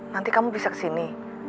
nanti kamu bisa kesini